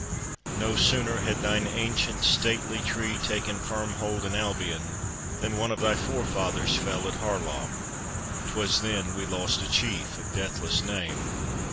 No sooner had thine ancient stately tree Taken firm hold in Albion, Than one of thy forefathers fell at Harlaw. 'Twas then we lost a chief of deathless name.